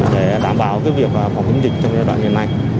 để đảm bảo việc họp ứng dịch trong giai đoạn hiện nay